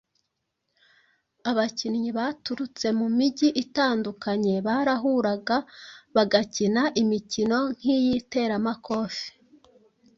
Abakinnyi baturutse mu migi itandukanye barahuraga bagakina imikino nk’iy’iteramakofe,